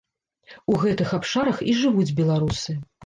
У гэтых абшарах і жывуць беларусы.